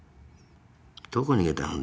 どこ逃げたん？